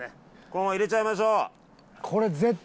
このまま入れちゃいましょう。